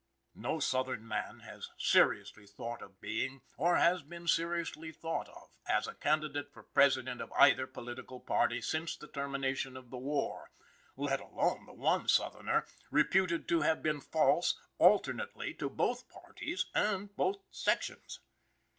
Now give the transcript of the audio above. No Southern man has seriously thought of being, or has been seriously thought of as, a candidate for President of either political party since the termination of the war, let alone the one Southerner reputed to have been false alternately to both parties and both sections.